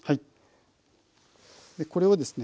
これをですね